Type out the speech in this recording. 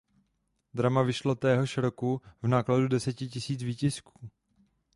Drama vyšlo téhož roku v nákladu deseti tisíc výtisků.